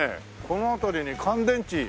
この辺りに乾電池。